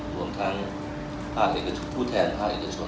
รวมทั้งผู้แทนผ่าเอกชน